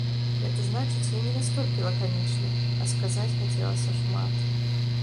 Гэта значыць, я не настолькі лаканічны, а сказаць хацелася шмат.